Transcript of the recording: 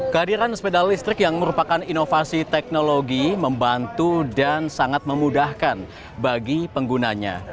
kehadiran sepeda listrik yang merupakan inovasi teknologi membantu dan sangat memudahkan bagi penggunanya